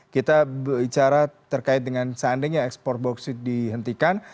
kita bicara terkait dengan seandainya ekspor bauksit dihentikan